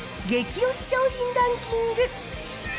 激推し商品ランキング。